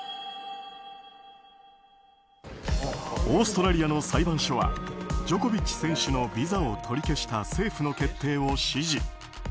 オーストラリアの裁判所はジョコビッチ選手のビザを取り消した政府の決定を支持。